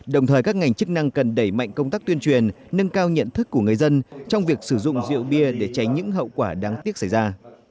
đồng thời các ngành chức năng cần đẩy mạnh công tác tuyên truyền nâng cao nhận thức của người dân trong việc sử dụng rượu bia để tránh những hậu quả đáng tiếc xảy ra